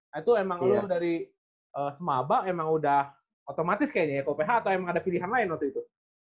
nah itu emang luar dari semaba emang udah otomatis kayaknya ya kok ph atau emang ada pilihan lain waktu itu